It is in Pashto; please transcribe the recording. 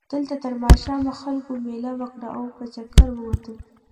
دلته تر ماښامه خلکو مېله وکړه او په چکر ووتل.